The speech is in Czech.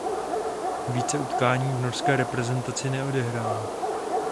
Více utkání v norské reprezentaci neodehrál.